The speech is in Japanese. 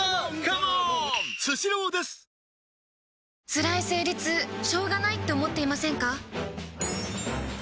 つらい生理痛しょうがないって思っていませんか？